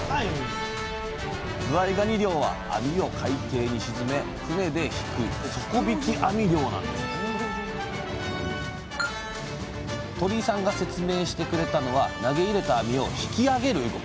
ずわいがに漁は網を海底に沈め船で引く鳥井さんが説明してくれたのは投げ入れた網を引きあげる動き。